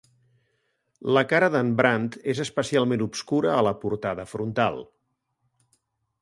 La cara de"n Brant és especialment obscura a la portada frontal.